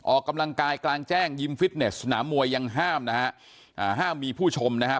ออกกำลังกายกลางแจ้งยิมฟิตเนสสนามมวยยังห้ามนะฮะอ่าห้ามมีผู้ชมนะครับ